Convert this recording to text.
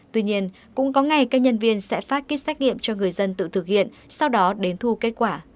tuy nhiên cũng có ngày các nhân viên sẽ phát kýt xét nghiệm cho người dân tự thực hiện sau đó đến thu kết quả